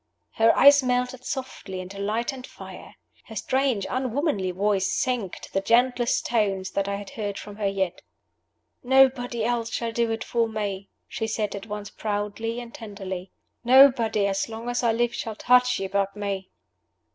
Her eyes melted softly into light and life. Her strange unwomanly voice sank to the gentlest tones that I had heard from her yet. "Nobody else shall do it for me," she said at once proudly and tenderly. "Nobody, as long as I live, shall touch you but me."